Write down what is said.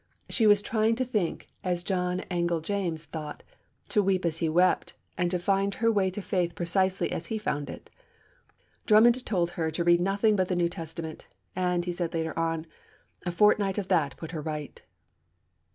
She was trying to think as John Angell James thought, to weep as he wept, and to find her way to faith precisely as he found his. Drummond told her to read nothing but the New Testament, and, he said later on, 'A fortnight of that put her right!'